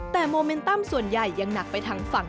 แต่โมเมนตัมส่วนใหญ่ยังหนักไปทางฝั่ง